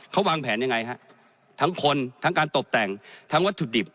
เขาวางแผนยังไงฮะทั้งคนทั้งการตบแต่งทั้งวัตถุดิบ